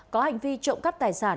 có hành vi trộm cắt tài chính